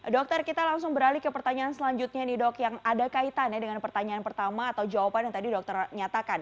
dokter kita langsung beralih ke pertanyaan selanjutnya nih dok yang ada kaitannya dengan pertanyaan pertama atau jawaban yang tadi dokter nyatakan